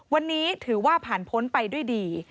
วันนี้ถือว่าผ่านพ้นไปด้วยดี